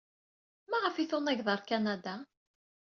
Maɣef ay tunaged ɣer Kanada?